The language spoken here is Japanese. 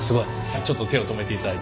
ちょっと手を止めていただいて。